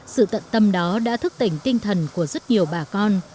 sự tận tâm đó đã thức tỉnh tinh thần của rất nhiều bà con